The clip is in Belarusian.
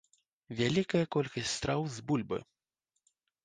Вялікая колькасць страў з бульбы.